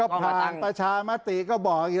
ผ่านประชามติก็บอก